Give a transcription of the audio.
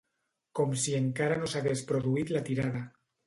Com si encara no s'hagués produït la tirada.